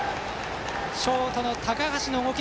ショート、高橋の動き。